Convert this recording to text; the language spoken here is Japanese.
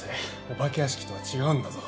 お化け屋敷とは違うんだぞ。